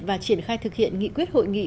và triển khai thực hiện nghị quyết hội nghị